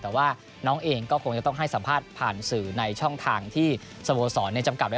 แต่ว่าน้องเองก็คงจะต้องให้สัมภาษณ์ผ่านสื่อในช่องทางที่สโมสรจำกัดไว้